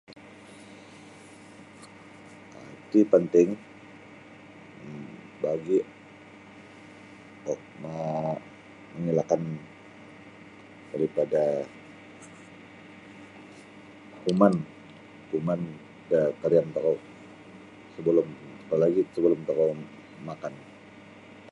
Iti panting um bagi' um ma mengelakkan daripada kuman kuman da kariam tokou sabalum apa lagi' sabalum tokou makan.